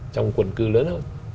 trong quần cư lớn hơn